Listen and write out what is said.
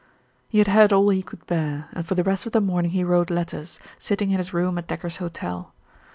He had had all he could bear, and for the rest of the morning he wrote letters, sitting in his room at Decker's hotel.